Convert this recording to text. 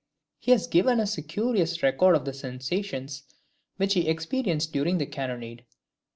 He has given us a curious record of the sensations which he experienced during the cannonade.